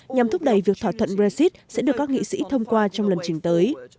nhằm thúc đẩy việc thỏa thuận brexit sẽ được các nghị sĩ thông qua trong lần trình tới